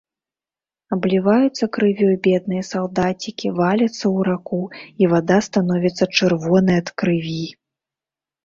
Абліваюцца крывёй бедныя салдацікі, валяцца ў раку, і вада становіцца чырвонай ад крыві.